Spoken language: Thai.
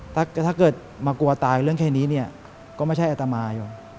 ถ้าเกิดมากลัวตายเรื่องแค่นี้เนี่ยก็ไม่ใช่อัตมาอยู่